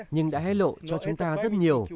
nhưng đã hé lộ cho chúng ta rất nhiều